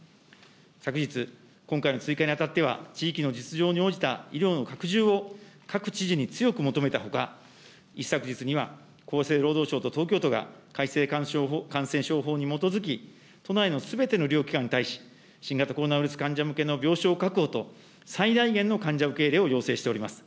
昨日、今回の追加にあたっては、地域の実情に応じた医療の拡充を、各知事に強く求めたほか、一昨日には、厚生労働省と東京都が、改正感染症法に基づき、都内のすべての医療機関に対し、新型コロナウイルス患者向けの病床確保と、最大限の患者受け入れを要請しております。